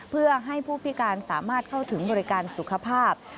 เพื่อให้ผู้พิการสามารถเข้าถึงบริการสุขภาพ